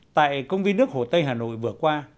tại công viên nước hồ tây hà nội vừa qua